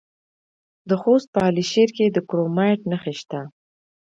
د خوست په علي شیر کې د کرومایټ نښې شته.